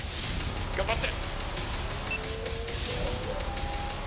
頑張って。